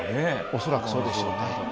恐らくそうでしょうね。